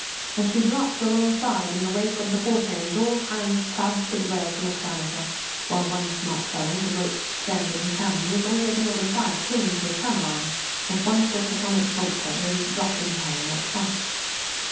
As she dropped alongside, in the wake of the fore chains, all hands crowded to the rail to look down into her; while one smart fellow, with a rope's end in his hand, was already over the side, clinging to a channel iron, with one foot upon its bolt head, ready to drop into her and make fast.